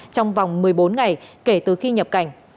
trong vòng một mươi bốn ngày kể từ khi nhập cảnh